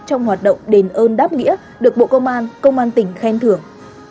trong hoạt động đền ơn đáp nghĩa được bộ công an công an tỉnh khen thưởng